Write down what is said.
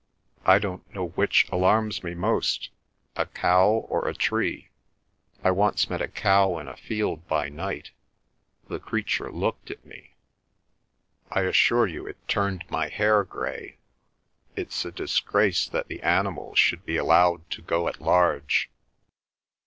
I don't know which alarms me most—a cow or a tree. I once met a cow in a field by night. The creature looked at me. I assure you it turned my hair grey. It's a disgrace that the animals should be allowed to go at large."